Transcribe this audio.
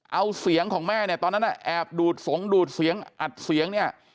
เอาเสียงของแม่เนี่ยตอนนั้นแอบดูดสงดูดเสียงอัดเสียงเนี่ย